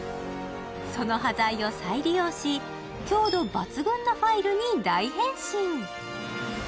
その端材を再利用し、強度抜群のファイルに大変身。